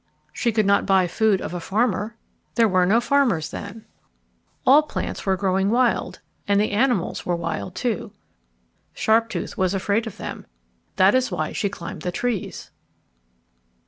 She could not buy food of a farmer. There were no farmers then. All the plants were growing wild. All the animals were wild, too. Sharptooth was afraid of them. That is why she climbed the trees.